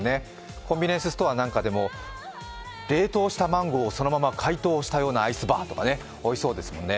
コンビニエンスストアなんかでも冷凍したマンゴーをそのまま解凍したようなアイスバーとかおいしそうですよね。